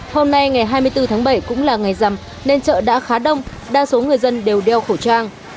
hôm nay ngày hai mươi bốn tháng bảy cũng là ngày rằm nên chợ đã khá đông đa số người dân đều đeo khẩu trang